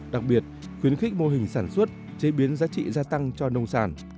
đặc biệt khuyến khích mô hình sản xuất chế biến giá trị gia tăng cho nông sản